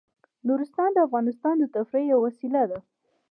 نورستان د افغانانو د تفریح یوه وسیله ده.